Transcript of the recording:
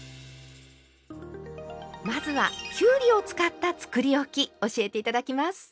まずはきゅうりを使ったつくりおき教えて頂きます。